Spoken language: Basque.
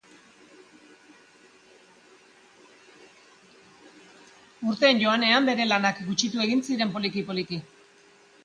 Urteen joanean bere lanak gutxitu egin ziren poliki-poliki.